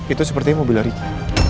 itu sepertinya mobilnya ricky